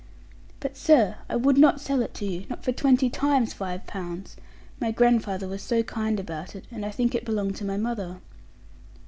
'But, sir, I would not sell it to you, not for twenty times five pounds. My grandfather was so kind about it; and I think it belonged to my mother.'